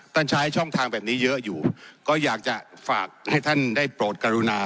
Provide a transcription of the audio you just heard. ใช้ช่องทางแบบนี้เยอะอยู่ก็อยากจะฝากให้ท่านได้โปรดกรุณา